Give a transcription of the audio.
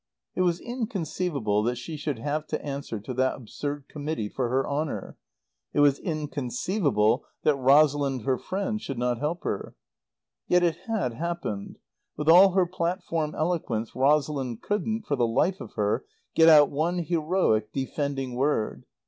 It was inconceivable that she should have to answer to that absurd committee for her honour. It was inconceivable that Rosalind, her friend, should not help her. Yet it had happened. With all her platform eloquence Rosalind couldn't, for the life of her, get out one heroic, defending word.